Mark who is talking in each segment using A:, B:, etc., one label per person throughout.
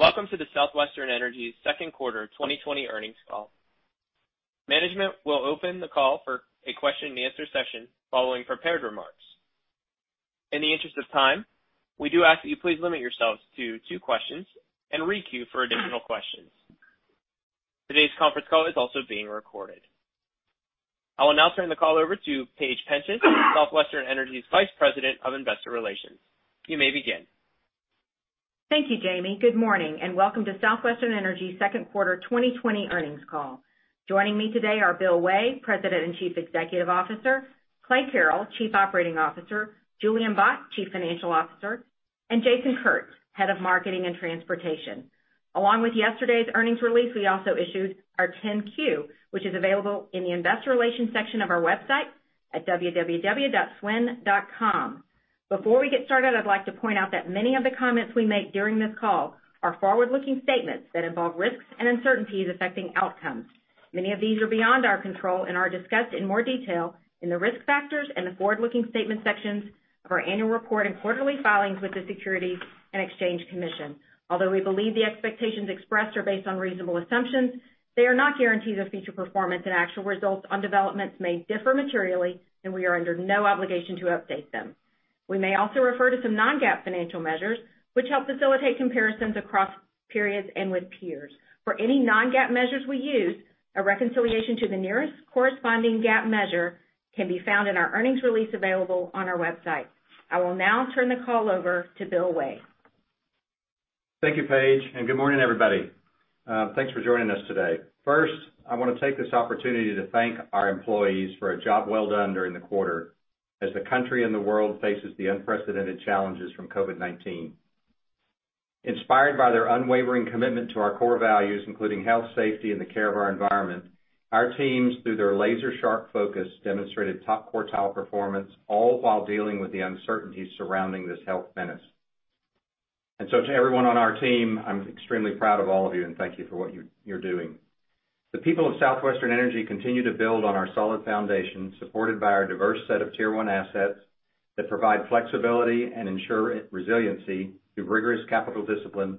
A: Welcome to the Southwestern Energy second quarter 2020 earnings call. Management will open the call for a question and answer session following prepared remarks. In the interest of time, we do ask that you please limit yourselves to two questions and re-queue for additional questions. Today's conference call is also being recorded. I will now turn the call over to Paige Penchas, Southwestern Energy's Vice President of Investor Relations. You may begin.
B: Thank you, Jamie. Good morning, welcome to Southwestern Energy second quarter 2020 earnings call. Joining me today are Bill Way, President and Chief Executive Officer; Clay Carrell, Chief Operating Officer; Julian Bott, Chief Financial Officer; and Jason Kurtz, Head of Marketing and Transportation. Along with yesterday's earnings release, we also issued our 10-Q, which is available in the investor relations section of our website at swn.com. Before we get started, I'd like to point out that many of the comments we make during this call are forward-looking statements that involve risks and uncertainties affecting outcomes. Many of these are beyond our control and are discussed in more detail in the risk factors and the forward-looking statement sections of our annual report and quarterly filings with the Securities and Exchange Commission. Although we believe the expectations expressed are based on reasonable assumptions, they are not guarantees of future performance, and actual results on developments may differ materially, and we are under no obligation to update them. We may also refer to some non-GAAP financial measures, which help facilitate comparisons across periods and with peers. For any non-GAAP measures we use, a reconciliation to the nearest corresponding GAAP measure can be found in our earnings release available on our website. I will now turn the call over to Bill Way.
C: Thank you, Paige, and good morning, everybody. Thanks for joining us today. First, I want to take this opportunity to thank our employees for a job well done during the quarter as the country and the world faces the unprecedented challenges from COVID-19. Inspired by their unwavering commitment to our core values, including health, safety, and the care of our environment, our teams, through their laser-sharp focus, demonstrated top quartile performance, all while dealing with the uncertainties surrounding this health menace. To everyone on our team, I'm extremely proud of all of you, and thank you for what you're doing. The people of Southwestern Energy continue to build on our solid foundation, supported by our diverse set of Tier 1 assets that provide flexibility and ensure resiliency through rigorous capital discipline,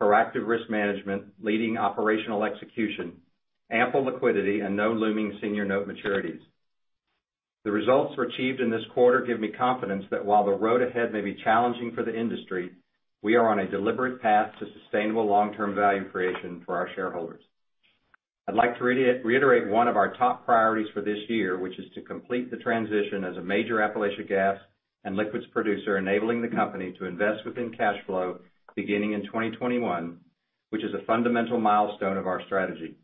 C: proactive risk management, leading operational execution, ample liquidity, and no looming senior note maturities. The results achieved in this quarter give me confidence that while the road ahead may be challenging for the industry, we are on a deliberate path to sustainable long-term value creation for our shareholders. I'd like to reiterate one of our top priorities for this year, which is to complete the transition as a major Appalachian gas and liquids producer, enabling the company to invest within cash flow beginning in 2021, which is a fundamental milestone of our strategy.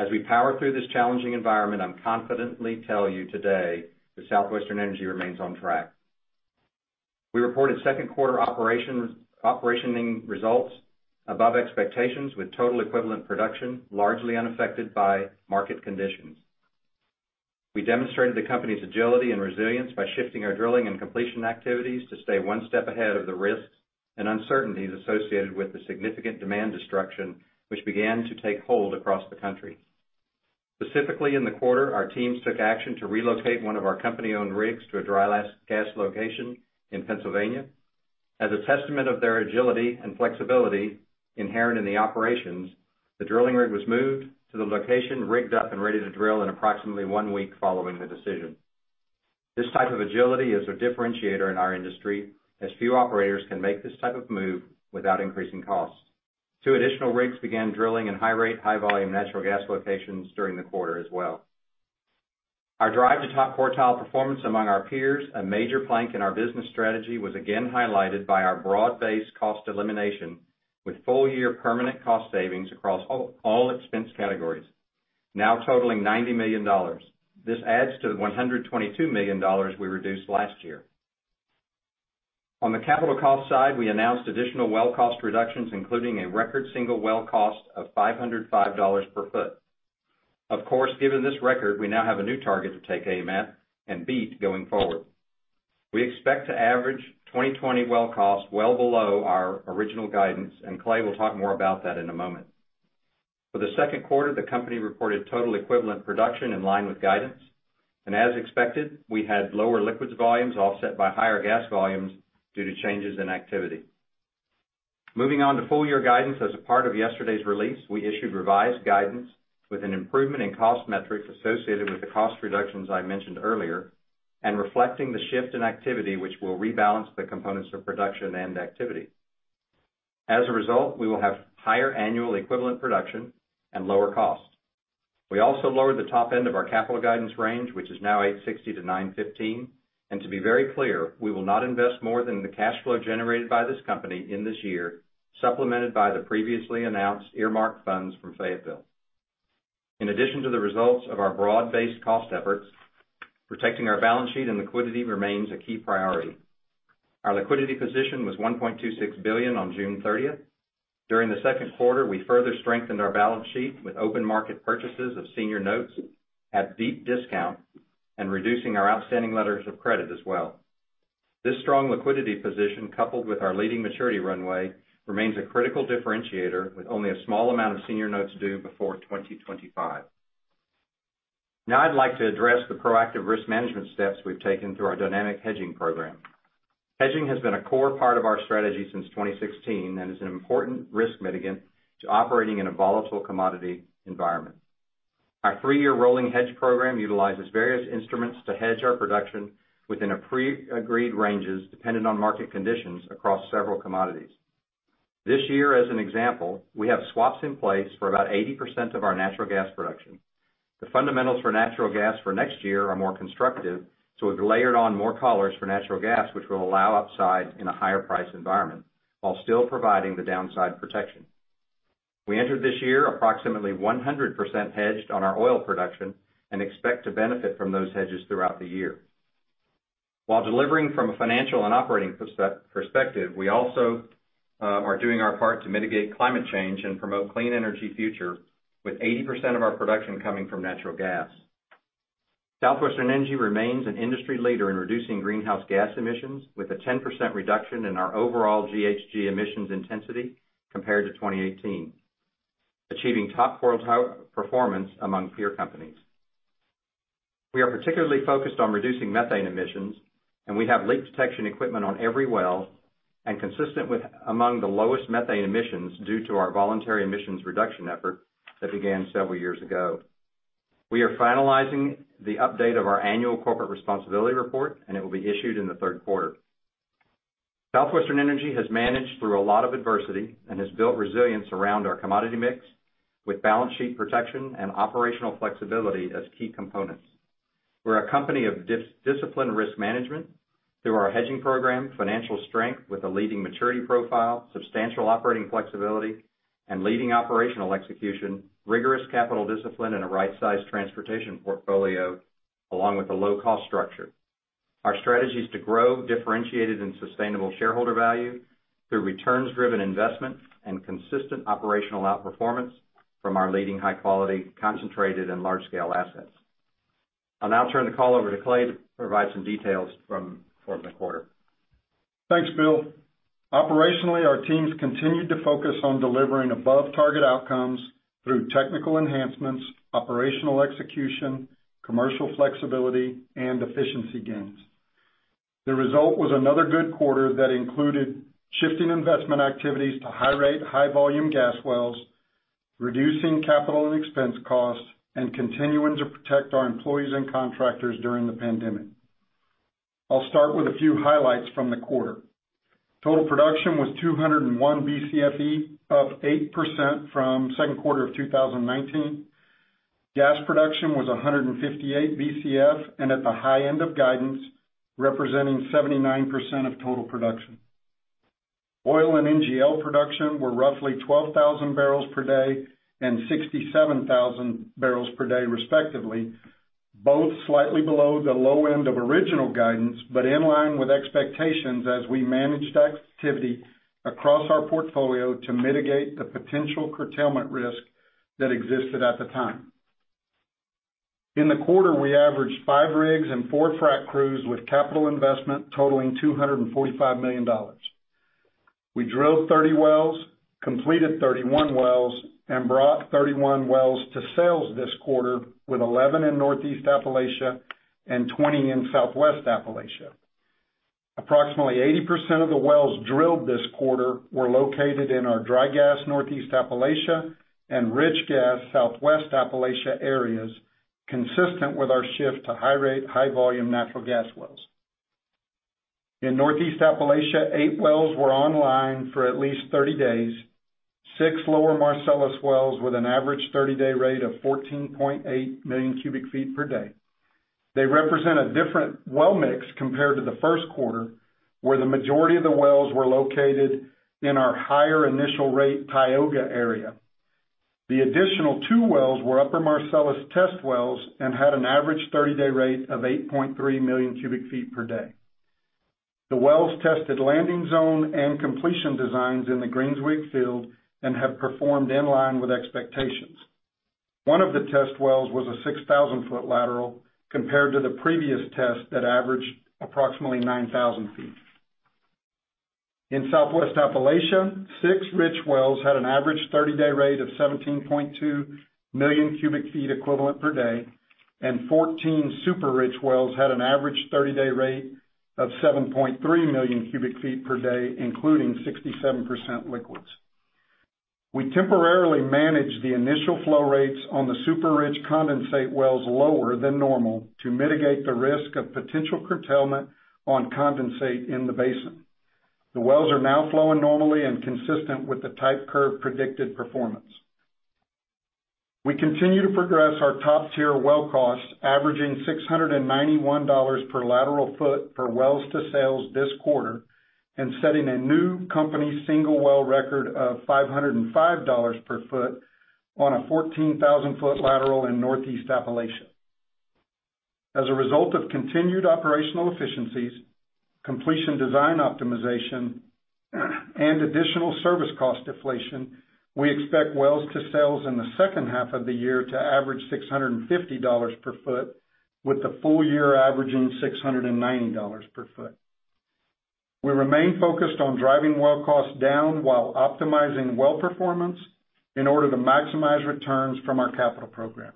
C: As we power through this challenging environment, I confidently tell you today that Southwestern Energy remains on track. We reported second quarter operating results above expectations, with total equivalent production largely unaffected by market conditions. We demonstrated the company's agility and resilience by shifting our drilling and completion activities to stay one step ahead of the risks and uncertainties associated with the significant demand destruction, which began to take hold across the country. Specifically in the quarter, our teams took action to relocate one of our company-owned rigs to a dry gas location in Pennsylvania. As a testament of their agility and flexibility inherent in the operations, the drilling rig was moved to the location, rigged up, and ready to drill in approximately one week following the decision. This type of agility is a differentiator in our industry, as few operators can make this type of move without increasing costs. Two additional rigs began drilling in high rate, high volume natural gas locations during the quarter as well. Our drive to top quartile performance among our peers, a major plank in our business strategy, was again highlighted by our broad-based cost elimination with full-year permanent cost savings across all expense categories, now totaling $90 million. This adds to the $122 million we reduced last year. On the capital cost side, we announced additional well cost reductions, including a record single well cost of $505 per foot. Of course, given this record, we now have a new target to take aim at and beat going forward. We expect to average 2020 well costs well below our original guidance. Clay will talk more about that in a moment. For the second quarter, the company reported total equivalent production in line with guidance. As expected, we had lower liquids volumes offset by higher gas volumes due to changes in activity. Moving on to full-year guidance, as a part of yesterday's release, we issued revised guidance with an improvement in cost metrics associated with the cost reductions I mentioned earlier and reflecting the shift in activity, which will rebalance the components of production and activity. As a result, we will have higher annual equivalent production and lower costs. We also lowered the top end of our capital guidance range, which is now $860-$915. To be very clear, we will not invest more than the cash flow generated by this company in this year, supplemented by the previously announced earmarked funds from Fayetteville. In addition to the results of our broad-based cost efforts, protecting our balance sheet and liquidity remains a key priority. Our liquidity position was $1.26 billion on June 30th. During the second quarter, we further strengthened our balance sheet with open market purchases of senior notes at deep discount and reducing our outstanding letters of credit as well. This strong liquidity position, coupled with our leading maturity runway, remains a critical differentiator with only a small amount of senior notes due before 2025. Now I'd like to address the proactive risk management steps we've taken through our dynamic hedging program. Hedging has been a core part of our strategy since 2016, and is an important risk mitigant to operating in a volatile commodity environment. Our three-year rolling hedge program utilizes various instruments to hedge our production within pre-agreed ranges, dependent on market conditions, across several commodities. This year, as an example, we have swaps in place for about 80% of our natural gas production. The fundamentals for natural gas for next year are more constructive. We've layered on more collars for natural gas, which will allow upside in a higher price environment, while still providing the downside protection. We entered this year approximately 100% hedged on our oil production and expect to benefit from those hedges throughout the year. While delivering from a financial and operating perspective, we also are doing our part to mitigate climate change and promote clean energy future, with 80% of our production coming from natural gas. Southwestern Energy remains an industry leader in reducing greenhouse gas emissions, with a 10% reduction in our overall GHG emissions intensity compared to 2018, achieving top quartile performance among peer companies. We are particularly focused on reducing methane emissions, and we have leak detection equipment on every well, and consistent with among the lowest methane emissions due to our voluntary emissions reduction effort that began several years ago. We are finalizing the update of our annual corporate responsibility report, and it will be issued in the third quarter. Southwestern Energy has managed through a lot of adversity and has built resilience around our commodity mix, with balance sheet protection and operational flexibility as key components. We're a company of disciplined risk management through our hedging program, financial strength with a leading maturity profile, substantial operating flexibility and leading operational execution, rigorous capital discipline, and a right-sized transportation portfolio, along with a low-cost structure. Our strategy is to grow differentiated and sustainable shareholder value through returns-driven investment and consistent operational outperformance from our leading high-quality, concentrated, and large-scale assets. I'll now turn the call over to Clay to provide some details from the quarter.
D: Thanks, Bill. Operationally, our teams continued to focus on delivering above-target outcomes through technical enhancements, operational execution, commercial flexibility, and efficiency gains. The result was another good quarter that included shifting investment activities to high rate, high volume gas wells, reducing capital and expense costs, and continuing to protect our employees and contractors during the pandemic. I'll start with a few highlights from the quarter. Total production was 201 BCFE, up 8% from second quarter of 2019. Gas production was 158 BCF, and at the high end of guidance, representing 79% of total production. Oil and NGL production were roughly 12,000 barrels per day and 67,000 barrels per day respectively, both slightly below the low end of original guidance, but in line with expectations as we managed activity across our portfolio to mitigate the potential curtailment risk that existed at the time. In the quarter, we averaged five rigs and four frac crews with capital investment totaling $245 million. We drilled 30 wells, completed 31 wells, and brought 31 wells to sales this quarter, with 11 in Northeast Appalachia and 20 in Southwest Appalachia. Approximately 80% of the wells drilled this quarter were located in our dry gas Northeast Appalachia and rich gas Southwest Appalachia areas, consistent with our shift to high rate, high volume natural gas wells. In Northeast Appalachia, eight wells were online for at least 30 days, six lower Marcellus wells with an average 30-day rate of 14.8 million cubic feet per day. They represent a different well mix compared to the first quarter, where the majority of the wells were located in our higher initial rate Tioga area. The additional two wells were upper Marcellus test wells and had an average 30-day rate of 8.3 million cubic feet per day. The wells tested landing zone and completion designs in the Greenzweig field and have performed in line with expectations. One of the test wells was a 6,000-foot lateral compared to the previous test that averaged approximately 9,000 feet. In Southwest Appalachia, six rich wells had an average 30-day rate of 17.2 million cubic feet equivalent per day, and 14 super rich wells had an average 30-day rate of 7.3 million cubic feet per day, including 67% liquids. We temporarily managed the initial flow rates on the super rich condensate wells lower than normal to mitigate the risk of potential curtailment on condensate in the basin. The wells are now flowing normally and consistent with the type curve predicted performance. We continue to progress our top-tier well costs, averaging $691 per lateral foot per wells to sales this quarter, and setting a new company single well record of $505 per foot on a 14,000-foot lateral in Northeast Appalachia. As a result of continued operational efficiencies, completion design optimization, and additional service cost deflation, we expect wells to sales in the second half of the year to average $650 per foot, with the full year averaging $690 per foot. We remain focused on driving well costs down while optimizing well performance in order to maximize returns from our capital program.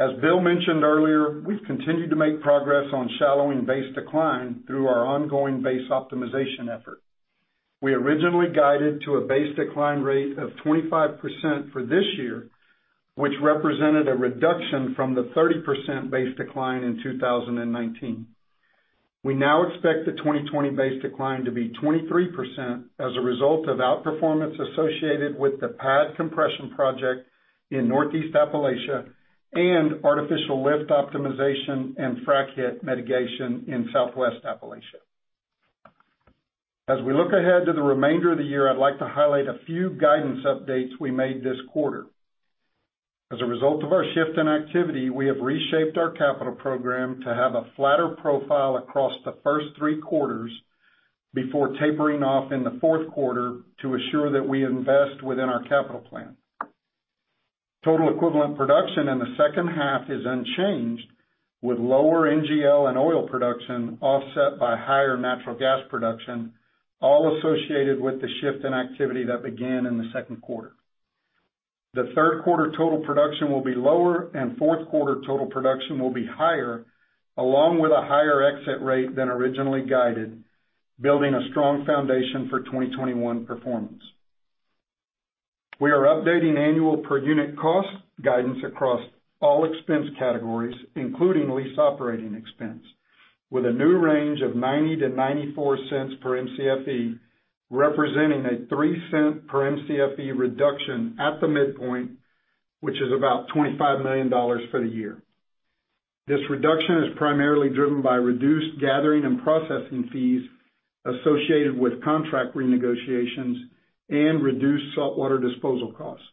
D: As Bill mentioned earlier, we've continued to make progress on shallowing base decline through our ongoing base optimization effort. We originally guided to a base decline rate of 25% for this year, which represented a reduction from the 30% base decline in 2019. We now expect the 2020 base decline to be 23% as a result of outperformance associated with the pad compression project in Northeast Appalachia and artificial lift optimization and frac hit mitigation in Southwest Appalachia. As we look ahead to the remainder of the year, I'd like to highlight a few guidance updates we made this quarter. As a result of our shift in activity, we have reshaped our capital program to have a flatter profile across the first three quarters before tapering off in the fourth quarter to assure that we invest within our capital plan. Total equivalent production in the second half is unchanged, with lower NGL and oil production offset by higher natural gas production, all associated with the shift in activity that began in the second quarter. The third quarter total production will be lower, and fourth quarter total production will be higher, along with a higher exit rate than originally guided, building a strong foundation for 2021 performance. We are updating annual per-unit cost guidance across all expense categories, including lease operating expense, with a new range of $0.90-$0.94 per Mcfe, representing a $0.03 per Mcfe reduction at the midpoint, which is about $25 million for the year. This reduction is primarily driven by reduced gathering and processing fees associated with contract renegotiations and reduced saltwater disposal costs.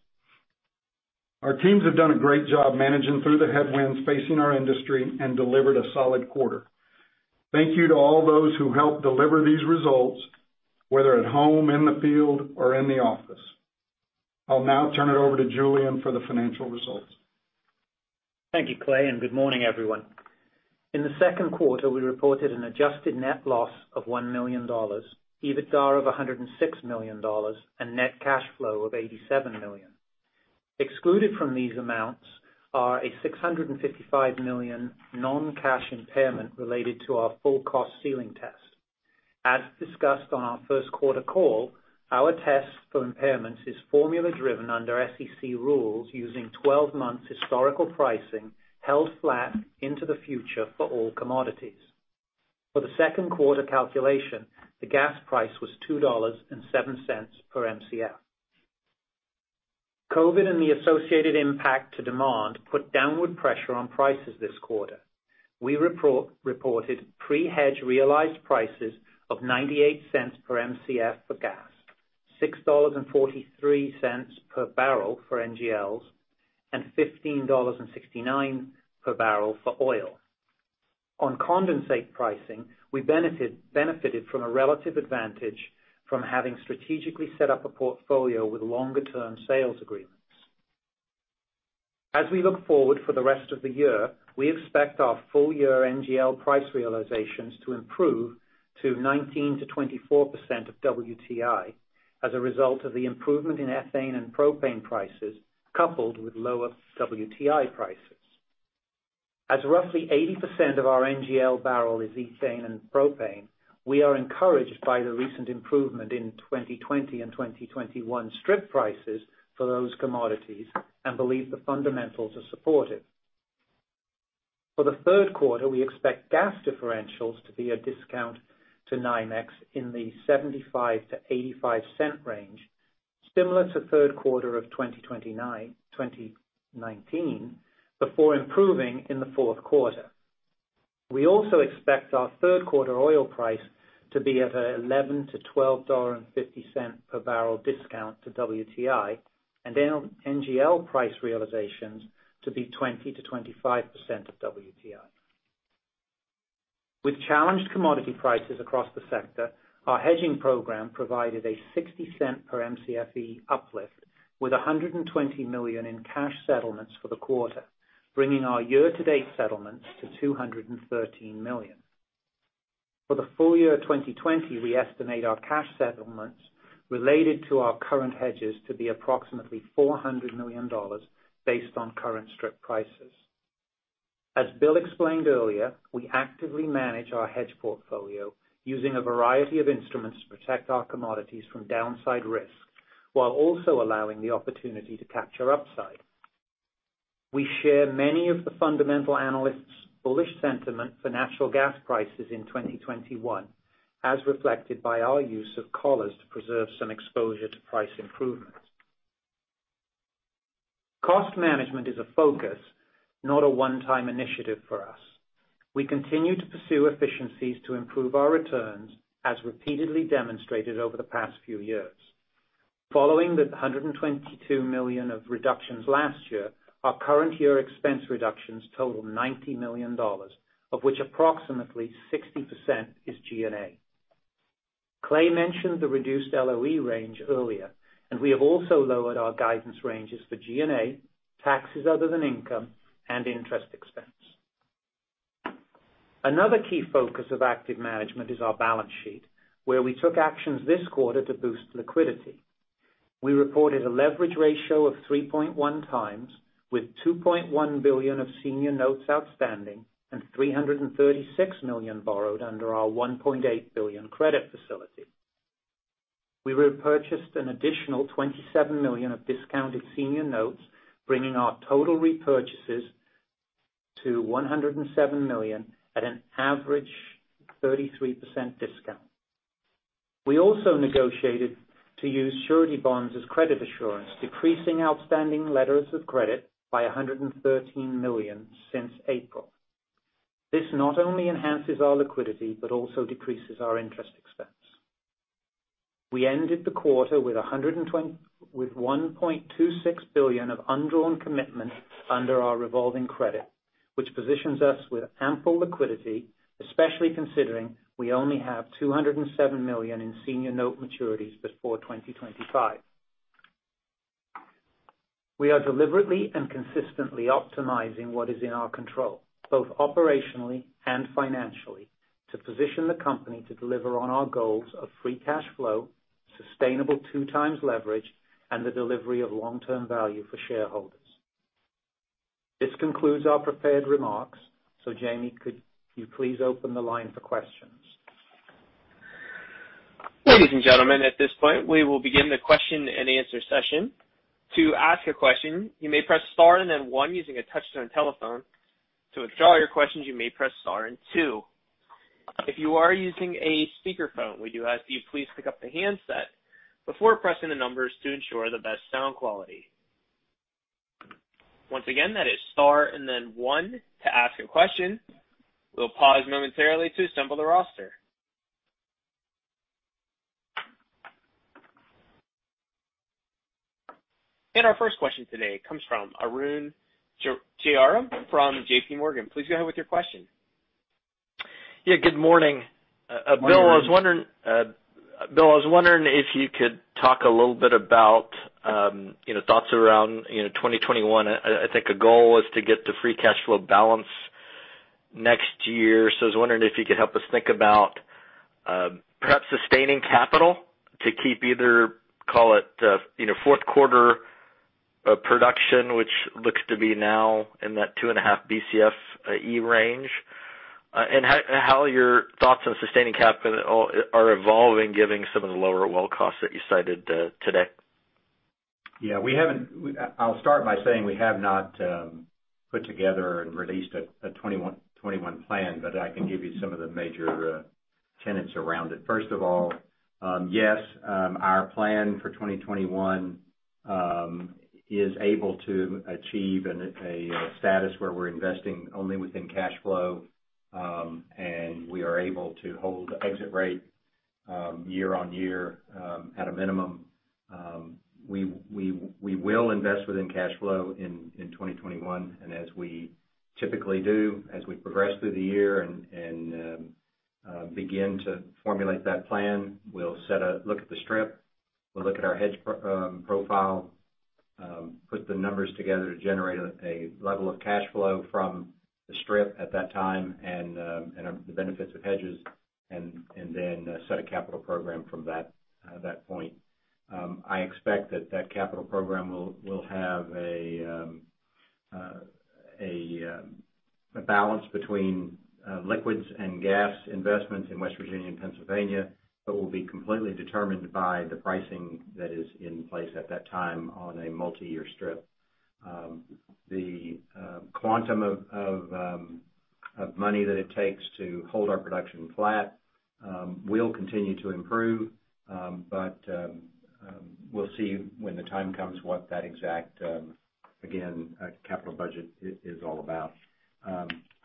D: Our teams have done a great job managing through the headwinds facing our industry and delivered a solid quarter. Thank you to all those who helped deliver these results, whether at home, in the field, or in the office. I'll now turn it over to Julian for the financial results.
E: Thank you, Clay, and good morning, everyone. In the second quarter, we reported an adjusted net loss of $1 million, EBITDA of $106 million, and net cash flow of $87 million. Excluded from these amounts are a $655 million non-cash impairment related to our full-cost ceiling test. As discussed on our first quarter call, our test for impairments is formula-driven under SEC rules using 12 months historical pricing held flat into the future for all commodities. For the second quarter calculation, the gas price was $2.07 per Mcf. COVID and the associated impact to demand put downward pressure on prices this quarter. We reported pre-hedge realized prices of $0.98 per Mcf for gas, $6.43 per barrel for NGLs, and $15.69 per barrel for oil. On condensate pricing, we benefited from a relative advantage from having strategically set up a portfolio with longer-term sales agreements. As we look forward for the rest of the year, we expect our full-year NGL price realizations to improve to 19%-24% of WTI as a result of the improvement in ethane and propane prices, coupled with lower WTI prices. As roughly 80% of our NGL barrel is ethane and propane, we are encouraged by the recent improvement in 2020 and 2021 strip prices for those commodities and believe the fundamentals are supportive. For the third quarter, we expect gas differentials to be a discount to NYMEX in the $0.75-$0.85 range, similar to third quarter of 2019, before improving in the fourth quarter. We also expect our third quarter oil price to be at a $11-$12.50 per barrel discount to WTI, and NGL price realizations to be 20%-25% of WTI. With challenged commodity prices across the sector, our hedging program provided a $0.60 per Mcfe uplift with $120 million in cash settlements for the quarter, bringing our year-to-date settlements to $213 million. For the full year 2020, we estimate our cash settlements related to our current hedges to be approximately $400 million based on current strip prices. As Bill explained earlier, we actively manage our hedge portfolio using a variety of instruments to protect our commodities from downside risk, while also allowing the opportunity to capture upside. We share many of the fundamental analysts' bullish sentiment for natural gas prices in 2021, as reflected by our use of collars to preserve some exposure to price improvements. Cost management is a focus, not a one-time initiative for us. We continue to pursue efficiencies to improve our returns, as repeatedly demonstrated over the past few years. Following the $122 million of reductions last year, our current year expense reductions total $90 million, of which approximately 60% is G&A. Clay mentioned the reduced LOE range earlier. We have also lowered our guidance ranges for G&A, taxes other than income, and interest expense. Another key focus of active management is our balance sheet, where we took actions this quarter to boost liquidity. We reported a leverage ratio of 3.1x, with $2.1 billion of senior notes outstanding and $336 million borrowed under our $1.8 billion credit facility. We repurchased an additional $27 million of discounted senior notes, bringing our total repurchases to $107 million at an average 33% discount. We also negotiated to use surety bonds as credit assurance, decreasing outstanding letters of credit by $113 million since April. This not only enhances our liquidity, but also decreases our interest expense.
C: We ended the quarter with $1.26 billion of undrawn commitments under our revolving credit, which positions us with ample liquidity, especially considering we only have $207 million in senior note maturities before 2025. We are deliberately and consistently optimizing what is in our control, both operationally and financially, to position the company to deliver on our goals of free cash flow, sustainable 2x leverage, and the delivery of long-term value for shareholders. This concludes our prepared remarks. Jamie, could you please open the line for questions?
A: Ladies and gentlemen, at this point, we will begin the question and answer session. To ask a question, you may press star and then one using a touch-tone telephone. To withdraw your questions, you may press star and two. If you are using a speakerphone, we do ask you please pick up the handset before pressing the numbers to ensure the best sound quality. Once again, that is star and then one to ask a question. We'll pause momentarily to assemble the roster. Our first question today comes from Arun Jayaram from JPMorgan. Please go ahead with your question.
F: Yeah, good morning.
C: Morning.
F: Bill, I was wondering if you could talk a little bit about thoughts around 2021. I think a goal was to get to free cash flow balance next year. I was wondering if you could help us think about perhaps sustaining capital to keep either, call it, fourth quarter production, which looks to be now in that 2.5 BCFE range. How your thoughts on sustaining capital are evolving, giving some of the lower well costs that you cited today.
C: Yeah. I'll start by saying we have not put together and released a 2021 plan, but I can give you some of the major tenets around it. First of all, yes, our plan for 2021 is able to achieve a status where we're investing only within cash flow, and we are able to hold exit rate year-on-year at a minimum. We will invest within cash flow in 2021. As we typically do, as we progress through the year and begin to formulate that plan, we'll look at the strip, we'll look at our hedge profile, put the numbers together to generate a level of cash flow from the strip at that time and the benefits of hedges, and then set a capital program from that point. I expect that that capital program will have a balance between liquids and gas investments in West Virginia and Pennsylvania that will be completely determined by the pricing that is in place at that time on a multi-year strip. The quantum of money that it takes to hold our production flat will continue to improve. We'll see when the time comes what that exact, again, capital budget is all about.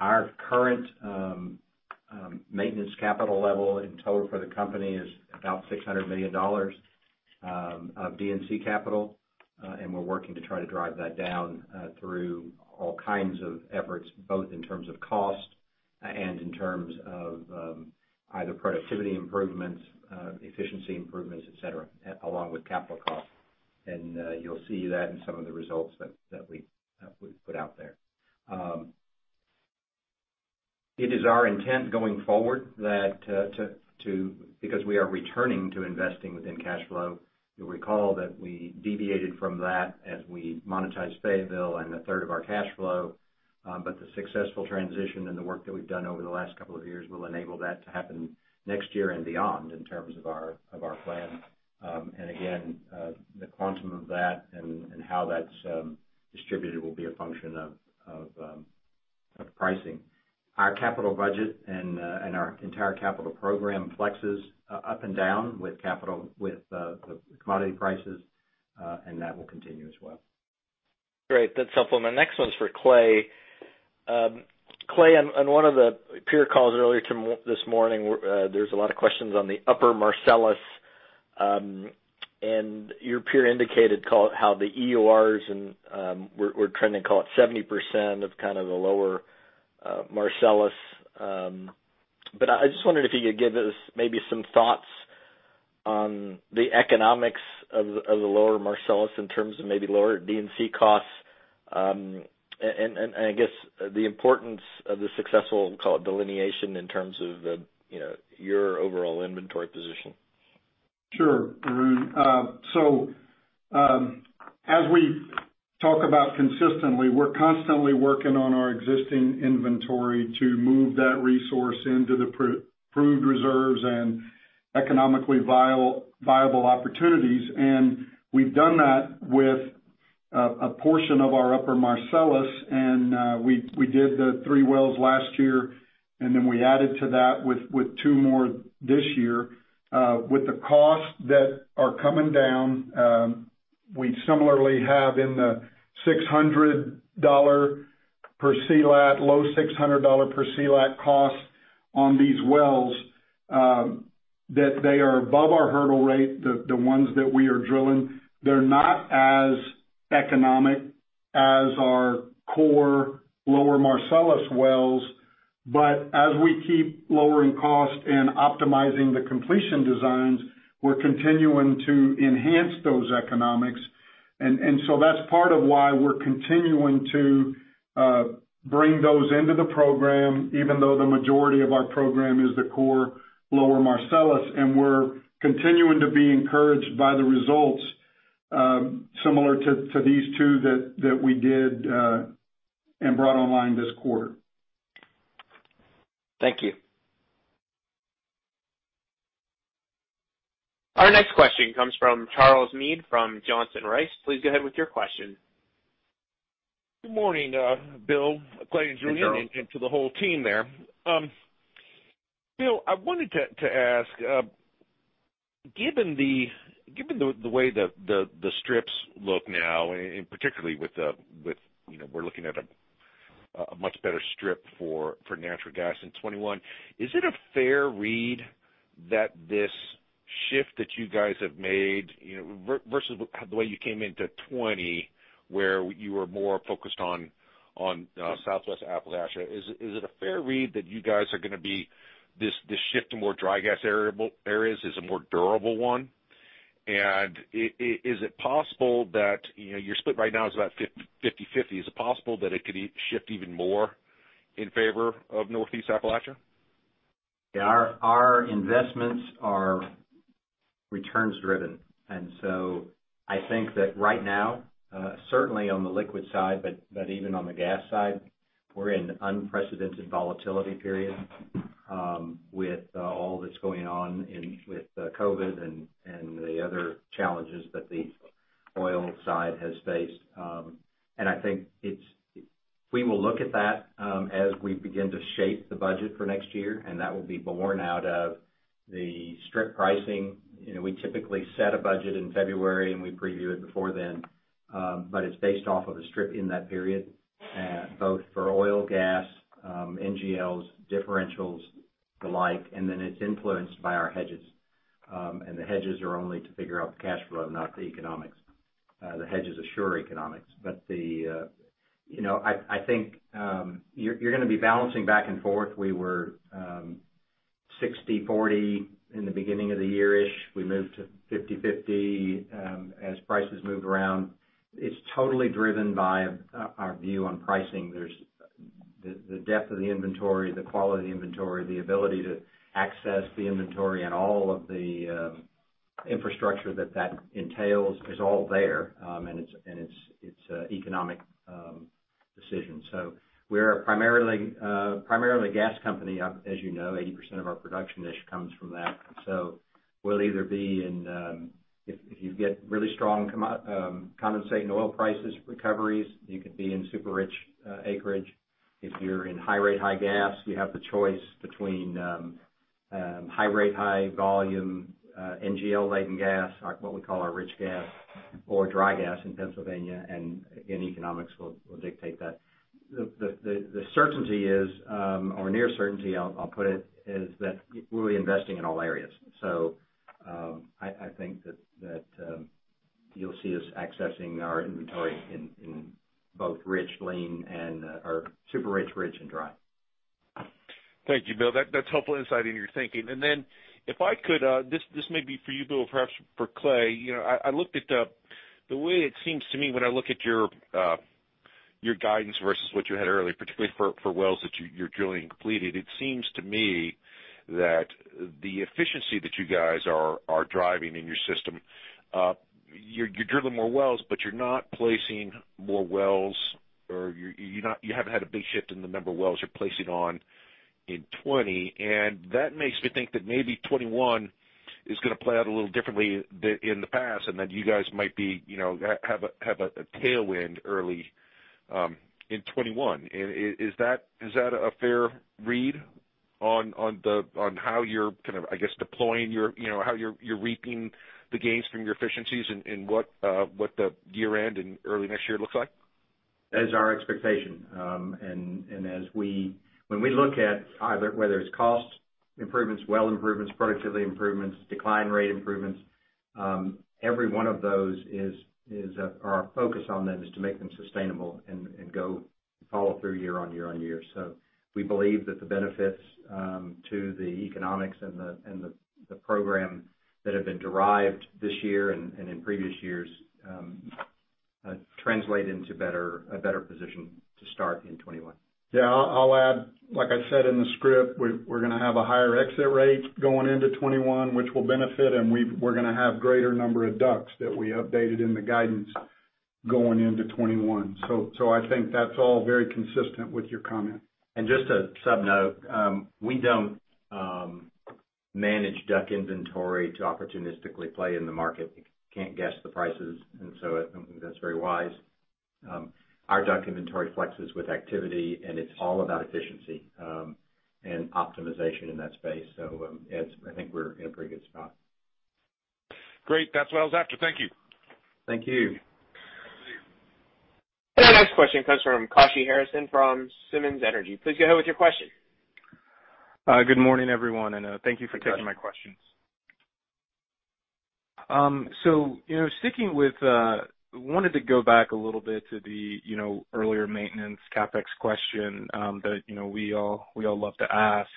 C: Our current maintenance capital level in total for the company is about $600 million of D&C capital. We're working to try to drive that down through all kinds of efforts, both in terms of cost and in terms of either productivity improvements, efficiency improvements, et cetera, along with capital costs. You'll see that in some of the results that we've put out there. It is our intent going forward that because we are returning to investing within cash flow, you'll recall that we deviated from that as we monetized Fayetteville and a third of our cash flow. The successful transition and the work that we've done over the last couple of years will enable that to happen next year and beyond in terms of our plan. Again, the quantum of that and how that's distributed will be a function of pricing. Our capital budget and our entire capital program flexes up and down with commodity prices, and that will continue as well.
F: Great. That's helpful. My next one's for Clay. Clay, on one of the peer calls earlier this morning, there's a lot of questions on the upper Marcellus. Your peer indicated how the EURs were trending, call it, 70% of kind of the lower Marcellus. I just wondered if you could give us maybe some thoughts on the economics of the lower Marcellus in terms of maybe lower D&C costs, and I guess the importance of the successful, call it, delineation in terms of your overall inventory position.
D: Sure, Arun. As we talk about consistently, we're constantly working on our existing inventory to move that resource into the proved reserves and economically viable opportunities. We've done that with a portion of our upper Marcellus, and we did the three wells last year, and then we added to that with two more this year. With the costs that are coming down, we similarly have in the low $600 per C-LAT cost on these wells, that they are above our hurdle rate, the ones that we are drilling. They're not as economic as our core lower Marcellus wells. As we keep lowering cost and optimizing the completion designs, we're continuing to enhance those economics. That's part of why we're continuing to bring those into the program, even though the majority of our program is the core lower Marcellus, and we're continuing to be encouraged by the results similar to these two that we did and brought online this quarter.
F: Thank you.
A: Our next question comes from Charles Meade from Johnson Rice. Please go ahead with your question.
G: Good morning, Bill. Clay and Julian and to the whole team there. Bill, I wanted to ask, given the way the strips look now, and particularly we're looking at a much better strip for natural gas in 2021, is it a fair read that this shift that you guys have made versus the way you came into 2020, where you were more focused on Southwest Appalachia? Is it a fair read that you guys are going to be this shift to more dry gas areas is a more durable one? Is it possible that your split right now is about 50/50? Is it possible that it could shift even more in favor of Northeast Appalachia?
C: Our investments are returns driven. I think that right now, certainly on the liquid side, but even on the gas side, we're in unprecedented volatility period with all that's going on with COVID and the other challenges that the oil side has faced. I think we will look at that as we begin to shape the budget for next year, and that will be born out of the strip pricing. We typically set a budget in February, and we preview it before then. It's based off of a strip in that period, both for oil, gas, NGLs, differentials, the like, and then it's influenced by our hedges, and the hedges are only to figure out the cash flow, not the economics. The hedges assure economics. I think you're going to be balancing back and forth. We were 60/40 in the beginning of the year-ish. We moved to 50/50 as prices moved around. It's totally driven by our view on pricing. There's the depth of the inventory, the quality of the inventory, the ability to access the inventory and all of the infrastructure that entails is all there. It's an economic decision. We are primarily a gas company. As you know, 80% of our production comes from that. We'll either be in if you get really strong condensate and oil prices recoveries, you could be in super rich acreage. If you're in high rate, high gas, you have the choice between high rate, high volume NGL laden gas, what we call our rich gas or dry gas in Pennsylvania, and again, economics will dictate that. The certainty is, or near certainty I'll put it, is that we'll be investing in all areas. I think that you'll see us accessing our inventory in both rich, lean or super rich, and dry.
G: Thank you, Bill. That's helpful insight into your thinking. Then if I could, this may be for you, Bill, perhaps for Clay. I looked at the way it seems to me when I look at your guidance versus what you had earlier, particularly for wells that you're drilling uncompleted. It seems to me that the efficiency that you guys are driving in your system, you're drilling more wells, but you're not placing more wells or you haven't had a big shift in the number of wells you're placing on in 2020. That makes me think that maybe 2021 is going to play out a little differently than in the past, and that you guys might have a tailwind early in 2021. Is that a fair read on how you're kind of, I guess, how you're reaping the gains from your efficiencies in what the year-end and early next year looks like?
C: That is our expectation. When we look at either whether it's cost improvements, well improvements, productivity improvements, decline rate improvements, every one of those, our focus on them is to make them sustainable and go follow through year-on-year. We believe that the benefits to the economics and the program that have been derived this year and in previous years, translate into a better position to start in 2021.
D: Yeah, I'll add, like I said in the script, we're going to have a higher exit rate going into 2021, which will benefit, and we're going to have greater number of DUCs that we updated in the guidance going into 2021. I think that's all very consistent with your comment.
C: Just a sub-note. We don't manage DUC inventory to opportunistically play in the market. We can't guess the prices, and so I don't think that's very wise. Our DUC inventory flexes with activity, and it's all about efficiency, and optimization in that space. And I think we're in a pretty good spot.
G: Great. That's what I was after. Thank you.
C: Thank you.
A: Our next question comes from Kashy Harrison from Simmons Energy. Please go ahead with your question.
H: Good morning, everyone, thank you for taking my questions. I wanted to go back a little bit to the earlier maintenance CapEx question that we all love to ask.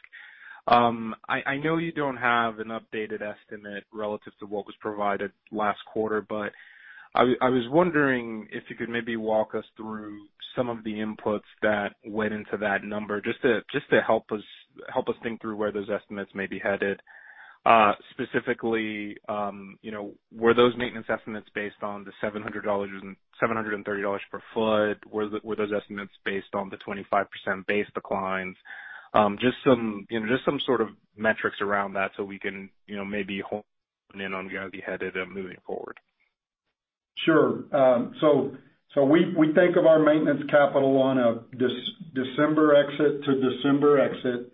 H: I know you don't have an updated estimate relative to what was provided last quarter, but I was wondering if you could maybe walk us through some of the inputs that went into that number, just to help us think through where those estimates may be headed. Specifically, were those maintenance estimates based on the $730 per foot? Were those estimates based on the 25% base declines? Just some sort of metrics around that so we can maybe home in on where you'll be headed moving forward.
D: We think of our maintenance capital on a December exit to December exit.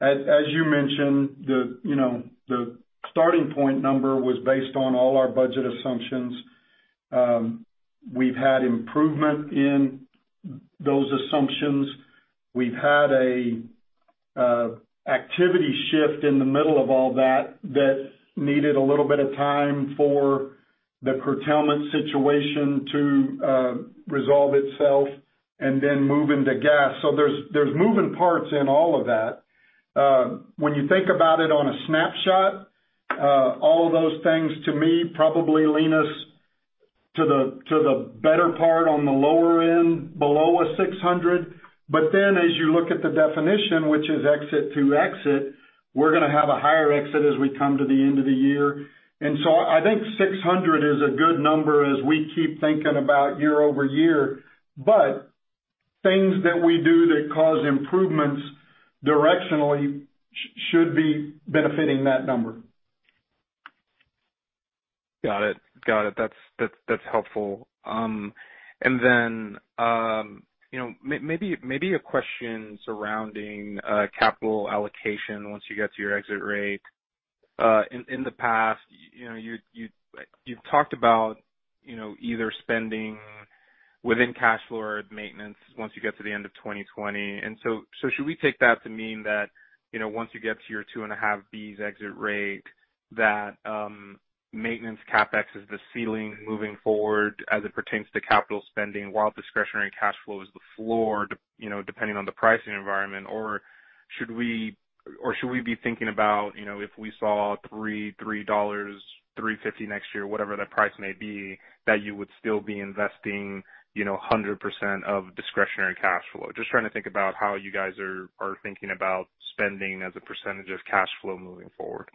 D: As you mentioned, the starting point number was based on all our budget assumptions. We've had improvement in those assumptions. We've had an activity shift in the middle of all that needed a little bit of time for the curtailment situation to resolve itself and then move into gas. There's moving parts in all of that. When you think about it on a snapshot, all of those things to me probably lean us to the better part on the lower end, below $600. As you look at the definition, which is exit to exit, we're going to have a higher exit as we come to the end of the year. I think 600 is a good number as we keep thinking about year-over-year, but things that we do that cause improvements directionally should be benefiting that number.
H: Got it. That's helpful. Then maybe a question surrounding capital allocation once you get to your exit rate. In the past, you've talked about either spending within cash flow or maintenance once you get to the end of 2020. So should we take that to mean that, once you get to your 2.5 BCF exit rate, that maintenance CapEx is the ceiling moving forward as it pertains to capital spending while discretionary cash flow is the floor, depending on the pricing environment? Should we be thinking about if we saw $3.00-$3.50 next year, whatever that price may be, that you would still be investing 100% of discretionary cash flow? Just trying to think about how you guys are thinking about spending as a % of cash flow moving forward.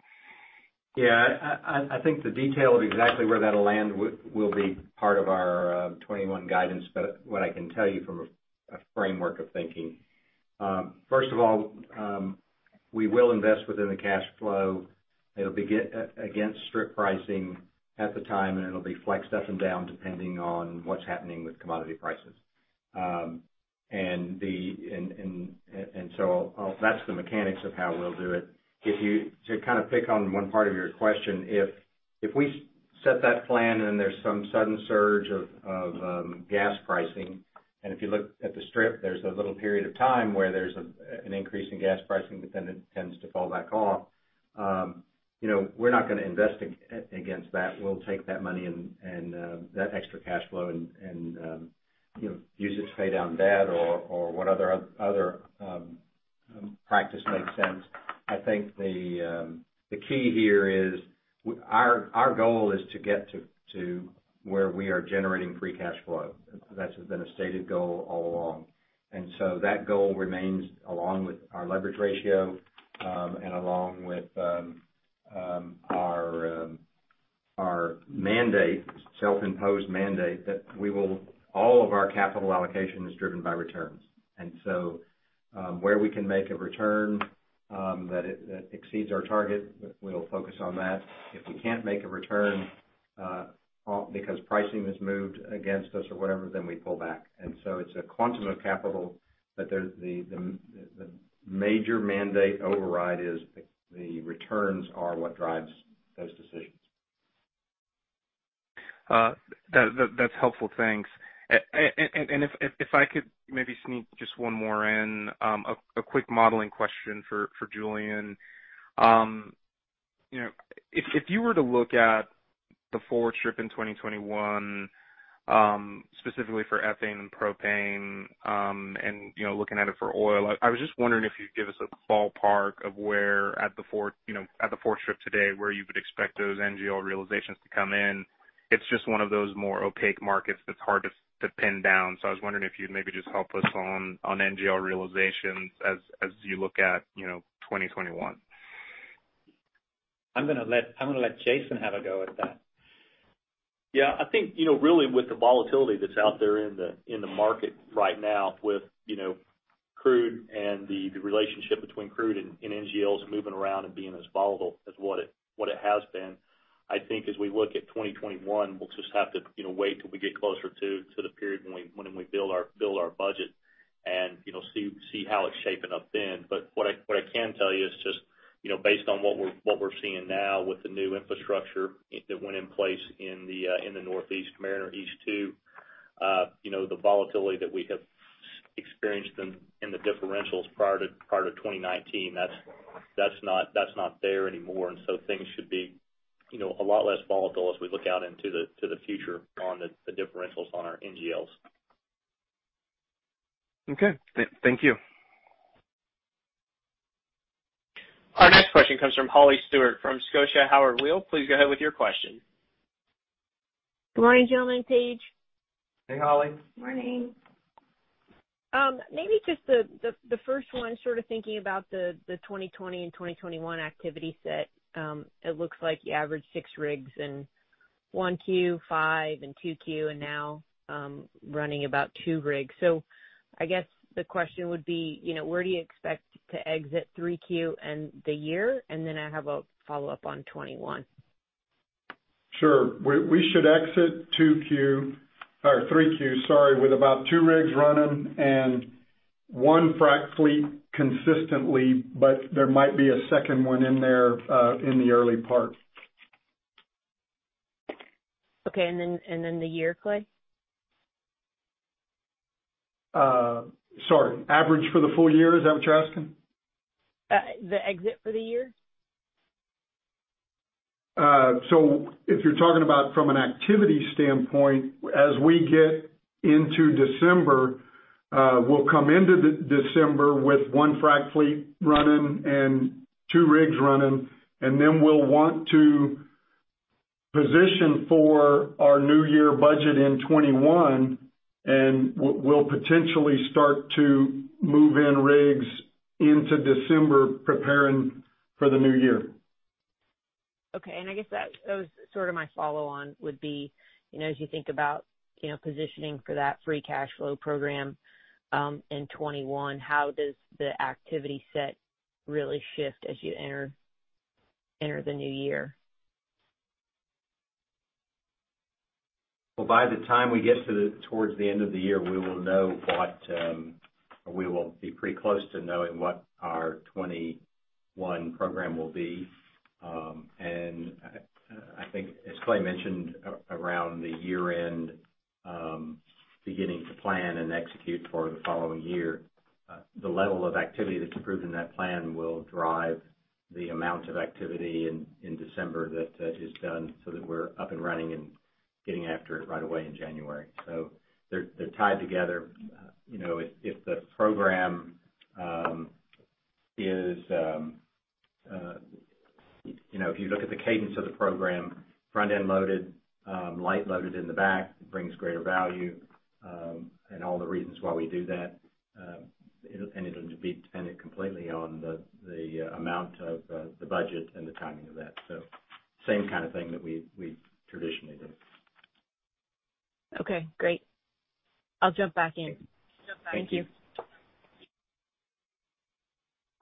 C: Yeah. I think the detail of exactly where that'll land will be part of our 2021 guidance. What I can tell you from a framework of thinking, first of all, we will invest within the cash flow. It'll be against strip pricing at the time, and it'll be flexed up and down depending on what's happening with commodity prices. That's the mechanics of how we'll do it. To kind of pick on one part of your question, if we set that plan and then there's some sudden surge of gas pricing, and if you look at the strip, there's a little period of time where there's an increase in gas pricing, but then it tends to fall back off. We're not going to invest against that. We'll take that money and that extra cash flow and use it to pay down debt or what other practice makes sense. I think the key here is our goal is to get to where we are generating free cash flow. That's been a stated goal all along. That goal remains, along with our leverage ratio, and along with our mandate, self-imposed mandate, that all of our capital allocation is driven by returns. Where we can make a return that exceeds our target, we'll focus on that. If we can't make a return because pricing has moved against us or whatever, then we pull back. It's a quantum of capital, but the major mandate override is the returns are what drives those decisions.
H: That's helpful. Thanks. If I could maybe sneak just one more in, a quick modeling question for Julian. If you were to look at the forward strip in 2021, specifically for ethane and propane, and looking at it for oil, I was just wondering if you'd give us a ballpark of where at the forward strip today, where you would expect those NGL realizations to come in. It's just one of those more opaque markets that's hard to pin down, so I was wondering if you'd maybe just help us on NGL realizations as you look at 2021.
C: I'm going to let Jason have a go at that.
I: Yeah. I think, really with the volatility that's out there in the market right now with crude and the relationship between crude and NGLs moving around and being as volatile as what it has been, I think as we look at 2021, we'll just have to wait till we get closer to the period when we build our budget and see how it's shaping up then. What I can tell you is just based on what we're seeing now with the new infrastructure that went in place in the Northeast Mariner East 2, the volatility that we have experienced in the differentials prior to 2019, that's not there anymore. Things should be a lot less volatile as we look out into the future on the differentials on our NGLs.
H: Okay. Thank you.
A: Our next question comes from Holly Stewart from Scotiabank Howard Weil. Please go ahead with your question.
J: Good morning, gentlemen. Paige.
C: Hey, Holly.
B: Morning.
J: Maybe just the first one, sort of thinking about the 2020 and 2021 activity set. It looks like you averaged six rigs in 1Q, five in 2Q, and now running about two rigs. I guess the question would be, where do you expect to exit 3Q and the year? Then I have a follow-up on 2021.
D: Sure. We should exit 2Q or 3Q, sorry, with about two rigs running and one frac fleet consistently, but there might be a second one in there, in the early part.
J: Okay. Then the year, Clay?
D: Sorry. Average for the full year, is that what you're asking?
J: The exit for the year.
D: If you're talking about from an activity standpoint, as we get into December, we'll come into December with one frac fleet running and two rigs running, and then we'll want to position for our new year budget in 2021, and we'll potentially start to move in rigs into December preparing for the new year.
J: Okay. I guess that was sort of my follow on would be, as you think about positioning for that free cash flow program in 2021, how does the activity set really shift as you enter the new year?
C: Well, by the time we get towards the end of the year, we will know what we will be pretty close to knowing what our 2021 program will be. I think as Clay mentioned, around the year end, beginning to plan and execute for the following year. The level of activity that's approved in that plan will drive the amount of activity in December that is done so that we're up and running and getting after it right away in January. They're tied together. If you look at the cadence of the program, front-end loaded, light loaded in the back, it brings greater value, and all the reasons why we do that. It'll be dependent completely on the amount of the budget and the timing of that. Same kind of thing that we traditionally do.
J: Okay, great. I'll jump back in.
C: Thank you.
J: Thank you.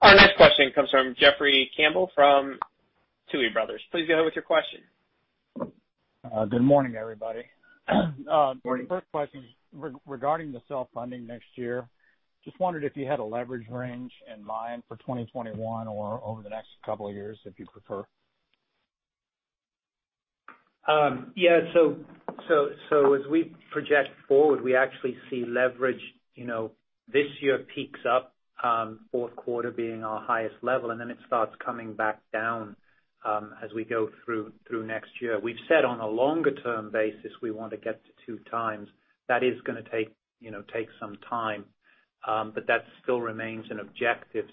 A: Our next question comes from Jeffrey Campbell from Tuohy Brothers. Please go ahead with your question.
K: Good morning, everybody.
C: Morning.
K: First question is regarding the self-funding next year. Just wondered if you had a leverage range in mind for 2021 or over the next couple of years, if you prefer?
C: Yeah. As we project forward, we actually see leverage this year peaks up, fourth quarter being our highest level, and then it starts coming back down as we go through next year. We've said on a longer-term basis, we want to get to 2x. That is going to take some time. That still remains an objective.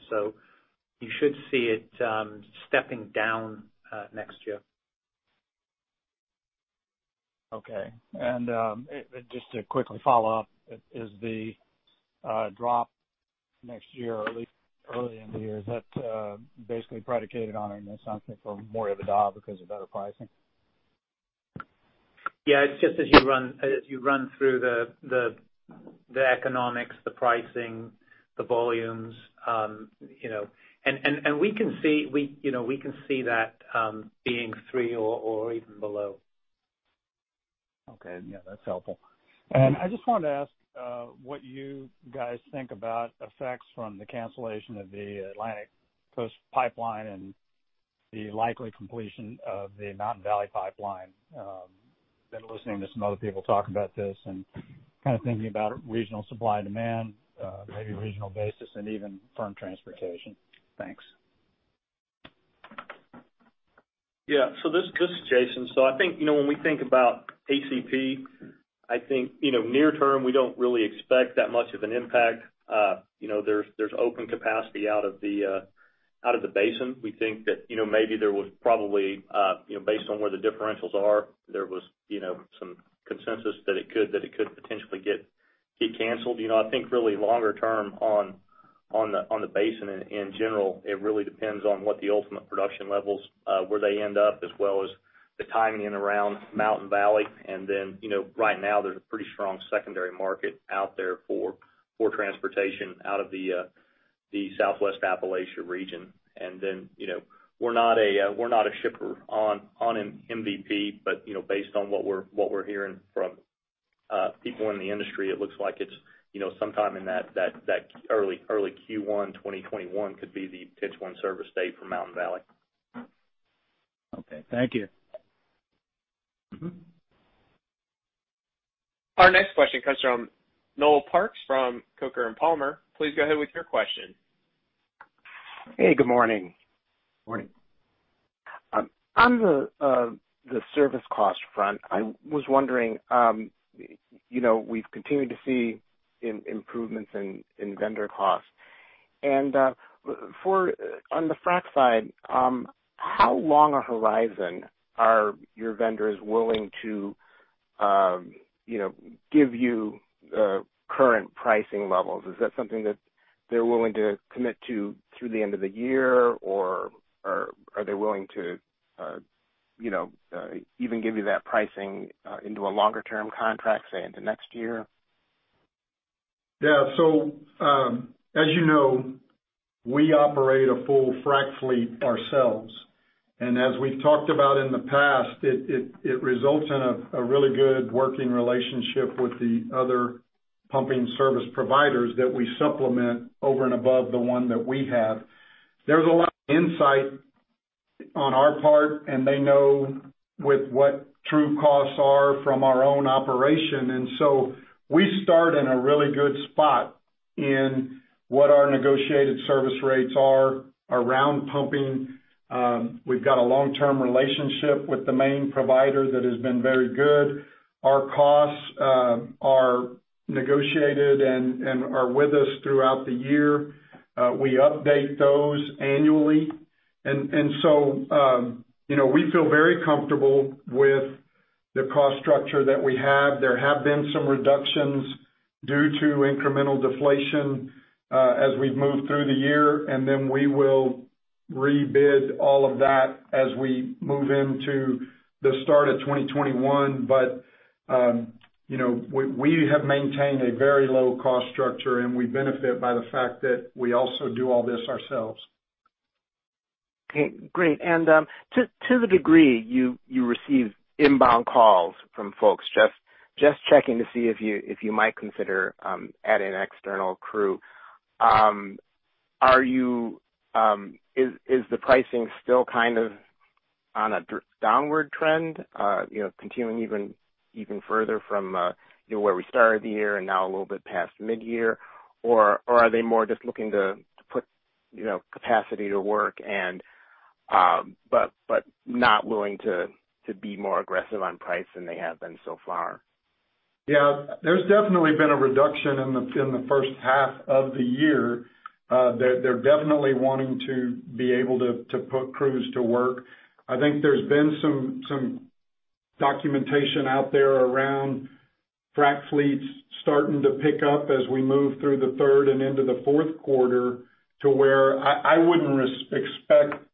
C: You should see it stepping down next year.
K: Okay. Just to quickly follow up, is the drop next year, early in the year, is that basically predicated on an assumption for more of a drill because of better pricing?
C: Yeah. It's just as you run through the economics, the pricing, the volumes. We can see that being $3 or even below.
K: Okay. Yeah, that's helpful. I just wanted to ask what you guys think about effects from the cancellation of the Atlantic Coast Pipeline and the likely completion of the Mountain Valley Pipeline. I've been listening to some other people talk about this and kind of thinking about regional supply and demand, maybe regional basis, and even firm transportation. Thanks.
I: Yeah. This is Jason. I think when we think about ACP, I think near term, we don't really expect that much of an impact. There's open capacity out of the basin. We think that maybe there was probably, based on where the differentials are, there was some consensus that it could potentially get canceled. I think really longer term on the basin in general, it really depends on what the ultimate production levels, where they end up, as well as the timing in around Mountain Valley. Right now there's a pretty strong secondary market out there for transportation out of the Southwest Appalachia region. We're not a shipper on MVP, but based on what we're hearing from people in the industry, it looks like it's sometime in that early Q1 2021 could be the potential in-service date for Mountain Valley.
K: Okay. Thank you.
A: Our next question comes from Noel Parks from Coker & Palmer. Please go ahead with your question.
L: Hey, good morning.
C: Morning.
L: On the service cost front, I was wondering, we've continued to see improvements in vendor costs. On the frac side, how long a horizon are your vendors willing to give you current pricing levels? Is that something that they're willing to commit to through the end of the year? Or are they willing to even give you that pricing into a longer-term contract, say, into next year?
D: Yeah. As you know, we operate a full frac fleet ourselves. As we've talked about in the past, it results in a really good working relationship with the other pumping service providers that we supplement over and above the one that we have. There's a lot of insight on our part, and they know with what true costs are from our own operation. We start in a really good spot in what our negotiated service rates are around pumping. We've got a long-term relationship with the main provider that has been very good. Our costs are negotiated and are with us throughout the year. We update those annually. We feel very comfortable with the cost structure that we have. There have been some reductions due to incremental deflation as we've moved through the year, and then we will rebid all of that as we move into the start of 2021. We have maintained a very low cost structure, and we benefit by the fact that we also do all this ourselves.
L: Okay, great. To the degree you receive inbound calls from folks just checking to see if you might consider adding external crew, is the pricing still kind of on a downward trend? Continuing even further from where we started the year and now a little bit past mid-year, or are they more just looking to put capacity to work but not willing to be more aggressive on price than they have been so far?
D: There's definitely been a reduction in the first half of the year. They're definitely wanting to be able to put crews to work. I think there's been some documentation out there around frac fleets starting to pick up as we move through the third and into the fourth quarter to where I wouldn't expect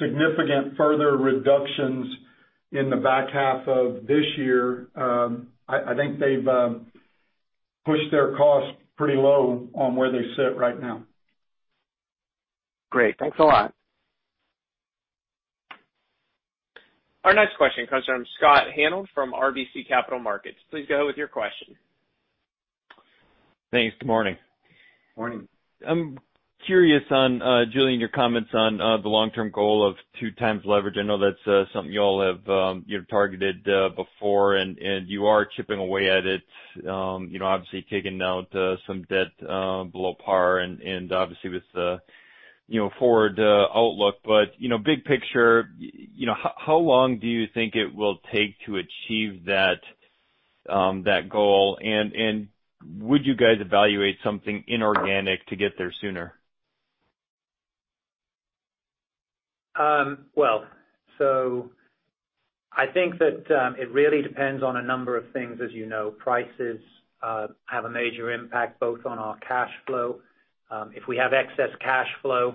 D: significant further reductions in the back half of this year. I think they've pushed their costs pretty low on where they sit right now.
L: Great. Thanks a lot.
A: Our next question comes from Scott Hanold from RBC Capital Markets. Please go with your question.
M: Thanks. Good morning.
C: Morning.
M: I'm curious on, Julian, your comments on the long-term goal of two times leverage. I know that's something you all have targeted before, and you are chipping away at it, obviously taking out some debt below par and obviously with the forward outlook. Big picture, how long do you think it will take to achieve that goal? Would you guys evaluate something inorganic to get there sooner?
E: Well. I think that it really depends on a number of things. As you know, prices have a major impact both on our cash flow. If we have excess cash flow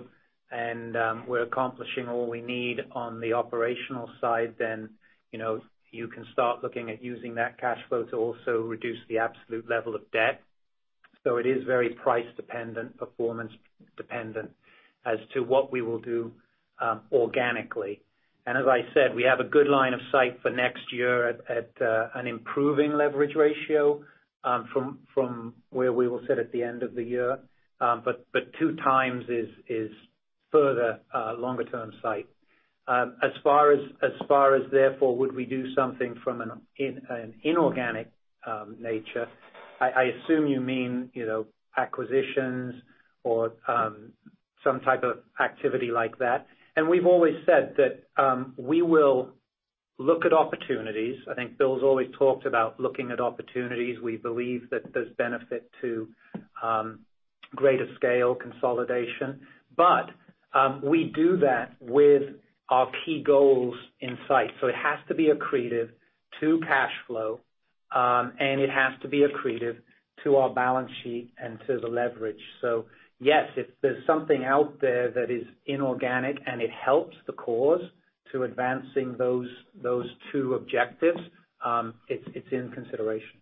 E: and we're accomplishing all we need on the operational side, then you can start looking at using that cash flow to also reduce the absolute level of debt. It is very price dependent, performance dependent as to what we will do organically. As I said, we have a good line of sight for next year at an improving leverage ratio from where we will sit at the end of the year. 2x is further longer-term sight. As far as, would we do something from an inorganic nature, I assume you mean acquisitions or some type of activity like that. We've always said that we will look at opportunities. I think Bill's always talked about looking at opportunities. We believe that there's benefit to greater scale consolidation, but we do that with our key goals in sight. It has to be accretive to cash flow, and it has to be accretive to our balance sheet and to the leverage. Yes, if there's something out there that is inorganic and it helps the cause to advancing those two objectives, it's in consideration.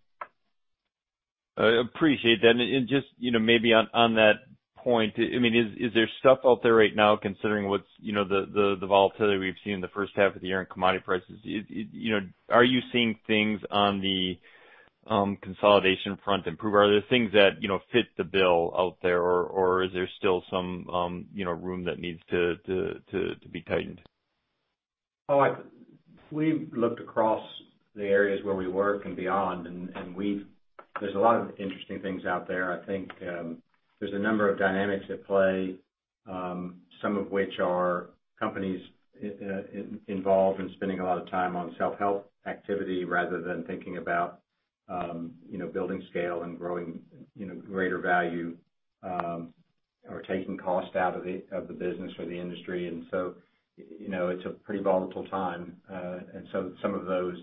M: I appreciate that. Just maybe on that point, is there stuff out there right now considering the volatility we've seen in the first half of the year in commodity prices? Are you seeing things on the consolidation front improve? Are there things that fit the bill out there, or is there still some room that needs to be tightened?
C: We've looked across the areas where we work and beyond, there's a lot of interesting things out there. I think there's a number of dynamics at play, some of which are companies involved in spending a lot of time on self-help activity rather than thinking about building scale and growing greater value or taking cost out of the business or the industry. It's a pretty volatile time. Some of those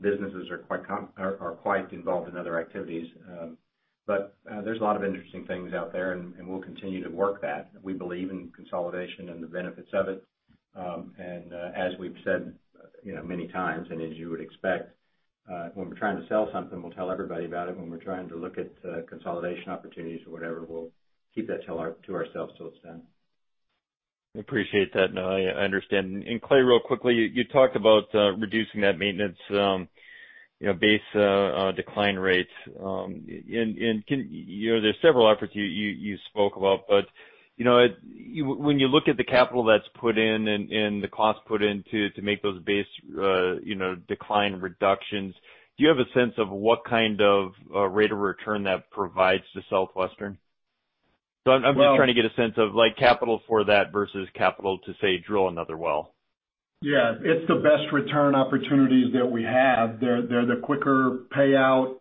C: businesses are quite involved in other activities. There's a lot of interesting things out there, and we'll continue to work that. We believe in consolidation and the benefits of it. As we've said many times, and as you would expect, when we're trying to sell something, we'll tell everybody about it. When we're trying to look at consolidation opportunities or whatever, we'll keep that to ourselves till it's done.
M: I appreciate that. No, I understand. Clay, real quickly, you talked about reducing that maintenance base decline rates. There's several efforts you spoke about, but when you look at the capital that's put in and the cost put in to make those base decline reductions, do you have a sense of what kind of rate of return that provides to Southwestern? I'm just trying to get a sense of capital for that versus capital to, say, drill another well.
D: Yeah. It's the best return opportunities that we have. They're the quicker payout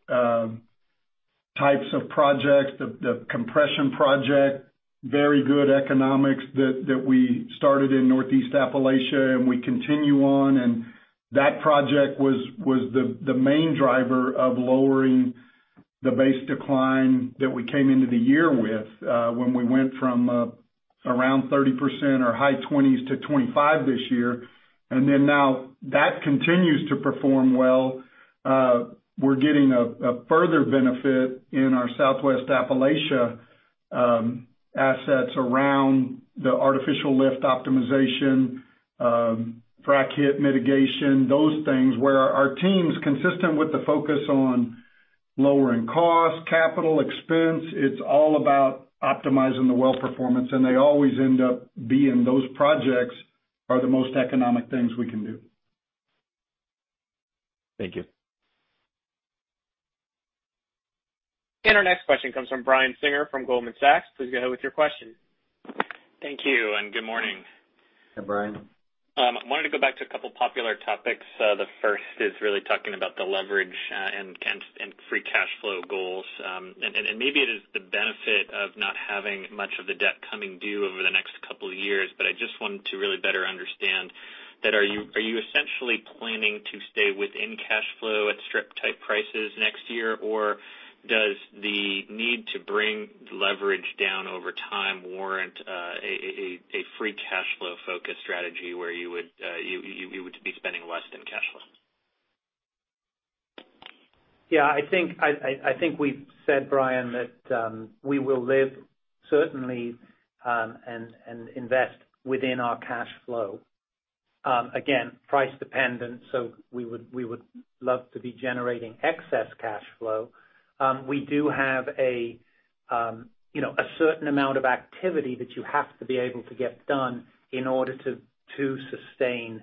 D: types of projects, the compression project, very good economics that we started in Northeast Appalachia. We continue on. That project was the main driver of lowering the base decline that we came into the year with when we went from around 30% or high 20s to 25 this year. Now that continues to perform well. We're getting a further benefit in our Southwest Appalachia assets around the artificial lift optimization, frac hit mitigation, those things where our teams, consistent with the focus on lowering cost, capital expense, it's all about optimizing the well performance. They always end up being those projects are the most economic things we can do.
M: Thank you.
A: Our next question comes from Brian Singer of Goldman Sachs. Please go ahead with your question.
N: Thank you, and good morning.
C: Hi, Brian.
N: I wanted to go back to a couple popular topics. The first is really talking about the leverage and free cash flow goals. Maybe it is the benefit of not having much of the debt coming due over the next couple of years. I just wanted to really better understand that are you essentially planning to stay within cash flow at strip-type prices next year? Does the need to bring leverage down over time warrant a free cash flow-focused strategy where you would be spending less than cash flow?
E: Yeah, I think we've said, Brian, that we will live certainly and invest within our cash flow. Price dependent, we would love to be generating excess cash flow. We do have a certain amount of activity that you have to be able to get done in order to sustain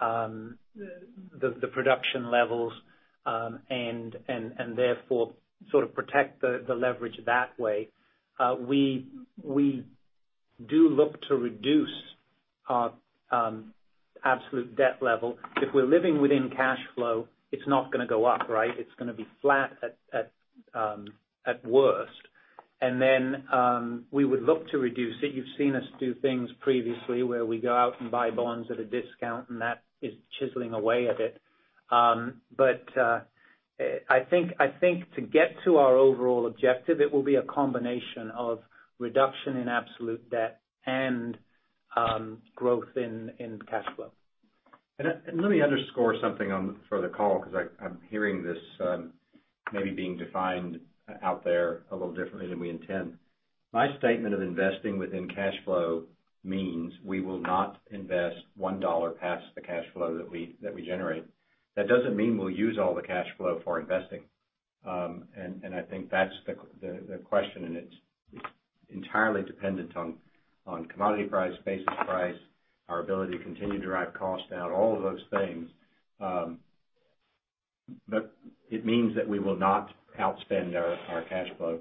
E: the production levels, and therefore sort of protect the leverage that way. We do look to reduce our absolute debt level. If we're living within cash flow, it's not going to go up, right? It's going to be flat at worst. We would look to reduce it. You've seen us do things previously where we go out and buy bonds at a discount, and that is chiseling away at it. I think to get to our overall objective, it will be a combination of reduction in absolute debt and growth in cash flow.
C: Let me underscore something for the call, because I'm hearing this maybe being defined out there a little differently than we intend. My statement of investing within cash flow means we will not invest $1 past the cash flow that we generate. That doesn't mean we'll use all the cash flow for investing. I think that's the question, and it's entirely dependent on commodity price, basis price, our ability to continue to drive costs down, all of those things. It means that we will not outspend our cash flow.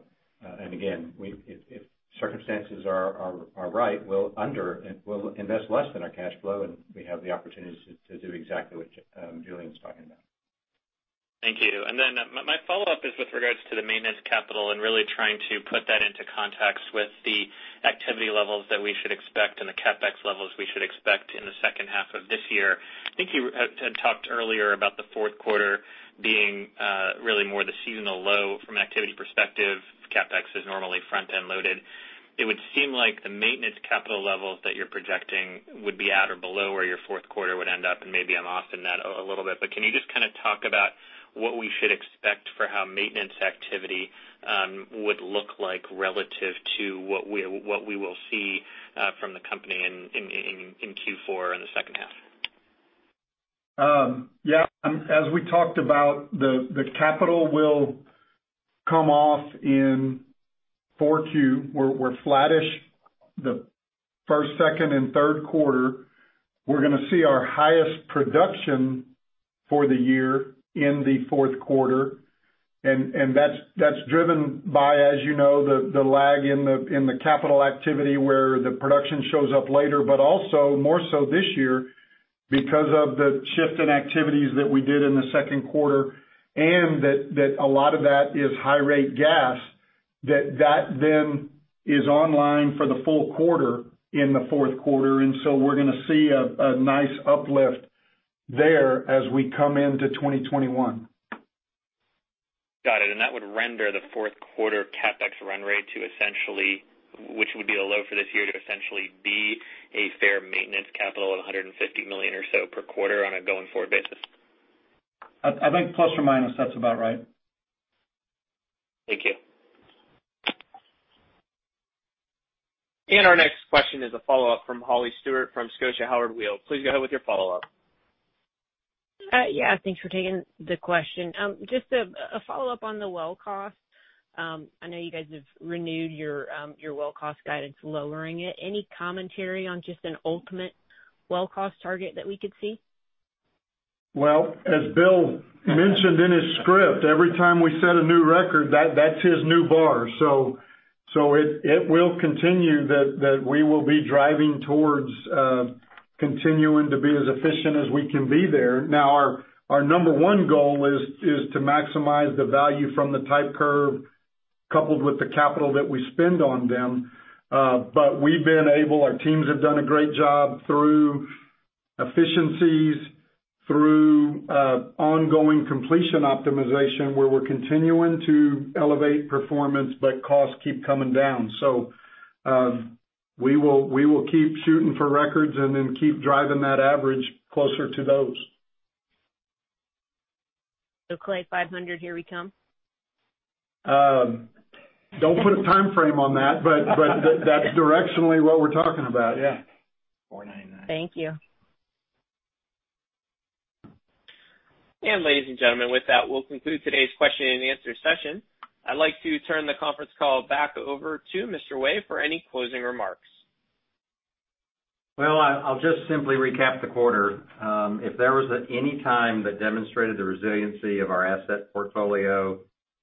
C: Again, if circumstances are right, we'll invest less than our cash flow, and we have the opportunities to do exactly what Julian's talking about.
N: Thank you. My follow-up is with regards to the maintenance capital and really trying to put that into context with the activity levels that we should expect and the CapEx levels we should expect in the second half of this year. I think you had talked earlier about the fourth quarter being really more the seasonal low from an activity perspective. CapEx is normally front-end loaded. It would seem like the maintenance capital levels that you're projecting would be at or below where your fourth quarter would end up, and maybe I'm off in that a little bit, but can you just kind of talk about what we should expect for how maintenance activity would look like relative to what we will see from the company in Q4 in the second half?
D: Yeah. As we talked about, the capital will come off in 4Q. We're flattish the first, second, and third quarter. We're going to see our highest production for the year in the fourth quarter. That's driven by, as you know, the lag in the capital activity where the production shows up later. Also more so this year because of the shift in activities that we did in the second quarter and that a lot of that is high-rate gas, that that then is online for the full quarter in the fourth quarter. We're going to see a nice uplift there as we come into 2021.
N: Got it. That would render the fourth quarter CapEx run rate to essentially, which would be a low for this year to essentially be a fair maintenance capital of $150 million or so per quarter on a going-forward basis.
D: I think plus or minus, that's about right.
N: Thank you.
A: Our next question is a follow-up from Holly Stewart from Scotiabank Howard Weil. Please go ahead with your follow-up.
J: Yeah, thanks for taking the question. Just a follow-up on the well cost. I know you guys have renewed your well cost guidance, lowering it. Any commentary on just an ultimate well cost target that we could see?
D: Well, as Bill mentioned in his script, every time we set a new record, that's his new bar. It will continue that we will be driving towards continuing to be as efficient as we can be there. Now, our number 1 goal is to maximize the value from the type curve coupled with the capital that we spend on them. We've been able, our teams have done a great job through efficiencies, through ongoing completion optimization, where we're continuing to elevate performance, but costs keep coming down. We will keep shooting for records and then keep driving that average closer to those.
J: Clay, 500, here we come?
D: Don't put a timeframe on that, but that's directionally what we're talking about, yeah.
J: Thank you.
A: Ladies and gentlemen, with that, we'll conclude today's question and answer session. I'd like to turn the conference call back over to Mr. Way for any closing remarks.
C: Well, I'll just simply recap the quarter. If there was any time that demonstrated the resiliency of our asset portfolio,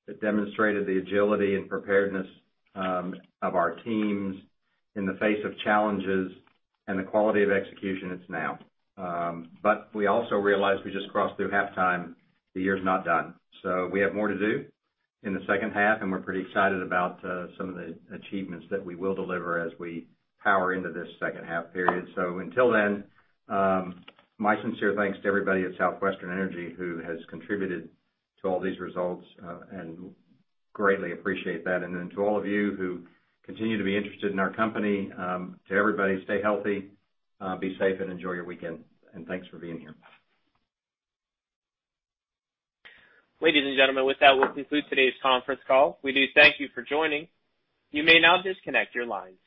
C: that demonstrated the agility and preparedness of our teams in the face of challenges and the quality of execution, it's now. We also realize we just crossed through halftime. The year's not done. We have more to do in the second half, and we're pretty excited about some of the achievements that we will deliver as we power into this second half period. Until then, my sincere thanks to everybody at Southwestern Energy who has contributed to all these results, and greatly appreciate that. To all of you who continue to be interested in our company, to everybody, stay healthy, be safe, and enjoy your weekend. Thanks for being here.
A: Ladies and gentlemen, with that, we'll conclude today's conference call. We do thank you for joining. You may now disconnect your lines.